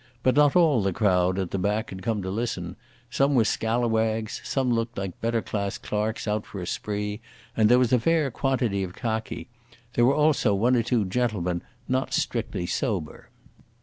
But not all the crowd at the back had come to listen. Some were scallawags, some looked like better class clerks out for a spree, and there was a fair quantity of khaki. There were also one or two gentlemen not strictly sober.